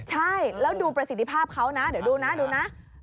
ใช่แล้วดูประสิทธิภาพเขานะเดี๋ยวดูนะดูนะ